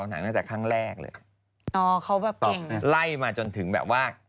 เวเน่ไม่ได้เลยนะไม่ติด๑ใน๓